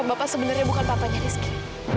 apa bapak sebenarnya bukan bapaknya rizky